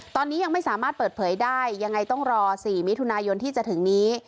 ตอนนี้ยังไม่สามารถเปิดเผยได้ยังไงต้องรอ๔มิถุนายนที่จะถึงนี้